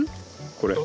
これ。